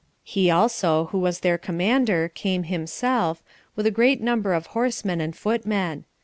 He also, who was their commander, came himself, with a great number of horsemen and footmen.